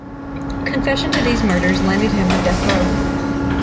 Confession to these murders landed him on death row.